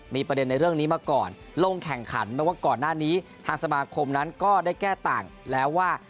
มีประเด็นในเรื่องนี้มาก่อนลงแข่งขันไม่ว่าก่อนหน้านี้ทางสมาคมนั้นก็ได้แก้ต่างแล้วว่า